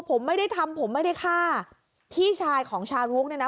ผมไม่ได้ทำผมไม่ได้ฆ่าพี่ชายของชารุกเนี่ยนะ